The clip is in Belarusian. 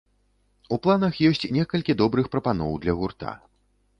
У планах ёсць некалькі добрых прапаноў для гурта.